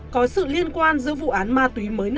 có sự liên quan giữa vụ án ma túy một